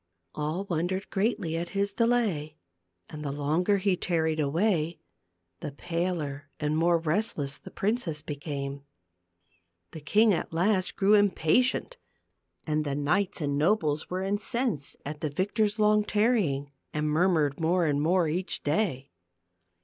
All wondered greatly at his delay, and the longer he tarried away, the paler and more restless the princess became. The king at last grew im patient and the knights and nobles were incensed at the victor's long tarrying, and murmured more and more each day.